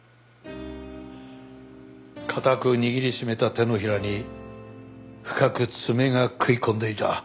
固く握りしめた手のひらに深く爪が食い込んでいた。